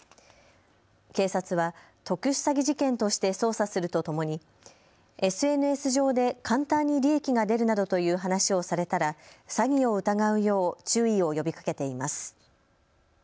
警察は特殊詐欺事件として捜査するとともにＳＮＳ上で簡単に利益が出るなどという話をされたら詐欺を疑うよう注意を呼びかけています。